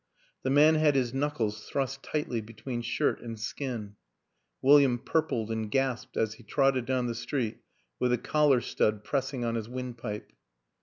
The man had his knuckles thrust tightly between shirt and skin; William purpled and gasped as he trotted down the street with a collar stud pressing on his windpipe.